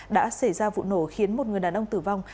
đã xảy ra vụ nổ khiến một người đàn ông tử vong